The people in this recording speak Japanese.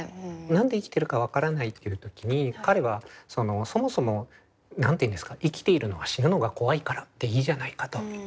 何で生きてるか分からないっていう時に彼はそもそも何て言うんですか「生きているのは死ぬのが怖いからでいいじゃないか」と。